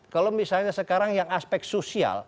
kalau misalnya sekarang yang aspek sosial